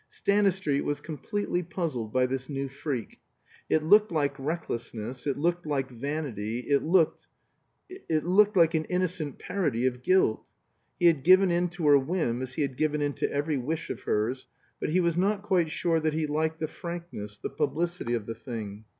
Stanistreet was completely puzzled by this new freak; it looked like recklessness, it looked like vanity, it looked it looked like an innocent parody of guilt. He had given in to her whim, as he had given In to every wish of hers, but he was not quite sure that he liked the frankness, the publicity of the thing.